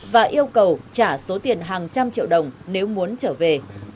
và yêu cầu trả số tiền hàng trăm triệu đồng nếu muốn trở về